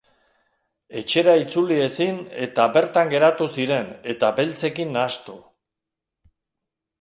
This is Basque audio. Etxera itzuli ezin eta bertan geratu ziren eta beltzekin nahastu.